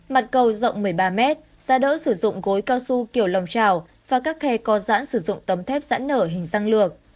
mặt cầu rộng một mươi ba mét ra đỡ sử dụng gối cao su kiểu lòng trào và các khe co giãn sử dụng tấm thép dẫn nở hình răng lược